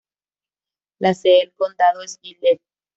La sede del condado es Gillette.